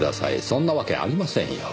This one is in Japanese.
そんなわけありませんよ。